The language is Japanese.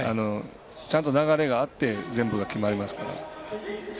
ちゃんと流れがあって全部が決まりますから。